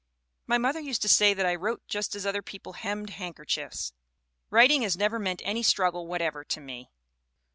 My mother used to say that I wrote just as other people hemmed handkerchiefs. Writing has never meant any struggle whatever to me.